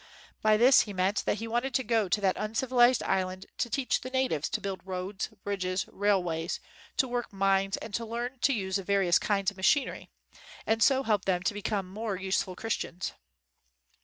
By this he meant that he wanted to go to that uncivilized island to teach the natives to build roads, bridges, railways, to work mines, and to learn to use various kinds of machinery, and so help them to become more useful Christians.